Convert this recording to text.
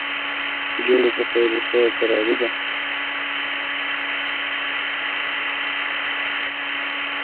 بس قسمت دی و هر چا ته حق رسیږي `